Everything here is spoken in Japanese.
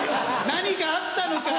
何かあったのか？